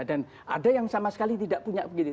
dan ada yang sama sekali tidak punya begitu